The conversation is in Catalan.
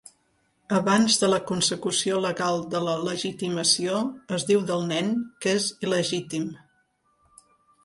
Abans de la consecució legal de la legitimació es diu del nen que és il·legítim.